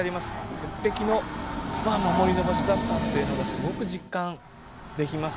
鉄壁の守りの場所だったっていうのがすごく実感できます。